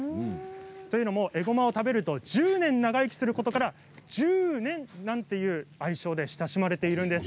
というのも、えごまを食べると１０年長生きすることからじゅうねんという愛称で親しまれているんです。